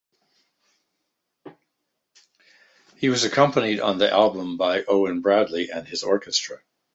He was accompanied on the album by Owen Bradley and His Orchestra.